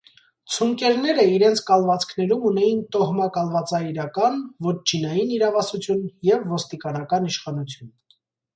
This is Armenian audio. Ցունկերները իրենց կալվածքներում ունեին տոհմակալվածաաիրական (վոտչինային) իրավասություն և ոստիկանական իշխանություն։